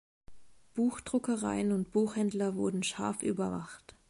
Buchdruckereien und Buchhändler wurden scharf überwacht.